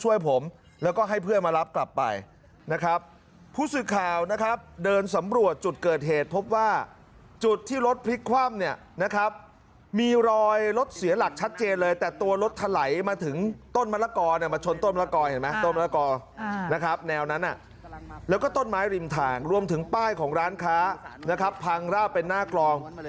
ช่วยผมแล้วก็ให้เพื่อนมารับกลับไปนะครับผู้สื่อข่าวนะครับเดินสำรวจจุดเกิดเหตุพบว่าจุดที่รถพลิกคว่ำเนี่ยนะครับมีรอยรถเสียหลักชัดเจนเลยแต่ตัวรถถลายมาถึงต้นมะละกอเนี่ยมาชนต้นมะละกอเห็นไหมต้นมะละกอนะครับแนวนั้นแล้วก็ต้นไม้ริมทางรวมถึงป้ายของร้านค้านะครับพังราบเป็นหน้ากลอง